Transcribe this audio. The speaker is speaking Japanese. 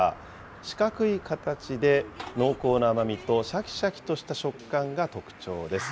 四角い形で、濃厚な甘みと、しゃきしゃきとした食感が特徴です。